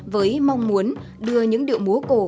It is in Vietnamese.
với mong muốn đưa những điệu múa cổ